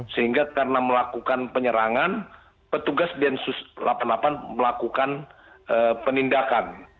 sehingga karena melakukan penyerangan petugas densus delapan puluh delapan melakukan penindakan